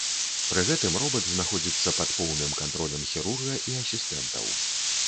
Пры гэтым робат знаходзіцца пад поўным кантролем хірурга і асістэнтаў.